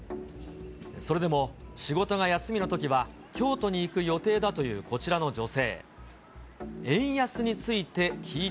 それでも、仕事が休みのときは京都に行く予定だというこちらの女性。